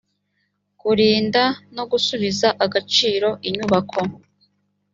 kurinda no gusubiza agaciro inyubako